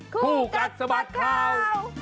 คู่กัดสมัครข่าว